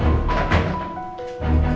tiffy buat apa